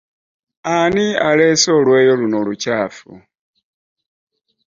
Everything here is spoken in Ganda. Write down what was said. Ani aleese olweyo luno olukyafu?